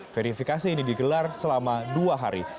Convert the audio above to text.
verifikasi ini digelar selama dua hari